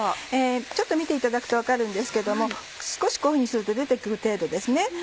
ちょっと見ていただくと分かるんですけども少しこういうふうにすると出て来る程度ですね。